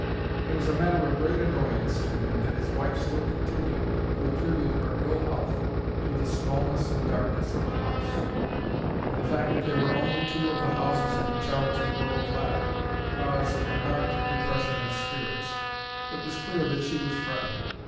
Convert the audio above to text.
It was a matter of great annoyance to him that his wife still continued to attribute her ill health to the smallness and darkness of the house; and the fact that there were only two of the houses in Charlton Grove left caused a marked depression of spirits. It was clear that she was fretting.